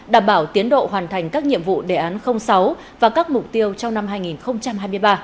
đảm bảo tiến độ hoàn thành các nhiệm vụ đề án sáu và các mục tiêu trong năm hai nghìn hai mươi ba